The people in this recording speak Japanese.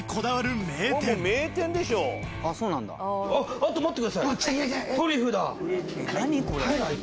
あっ待ってください。